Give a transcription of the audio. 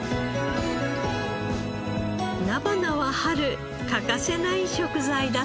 菜花は春欠かせない食材だそうです。